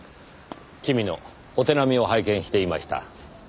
君のお手並みを拝見していました。